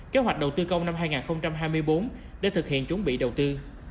kế hoạch đầu tư công năm hai nghìn hai mươi bốn để thực hiện chuẩn bị đầu tư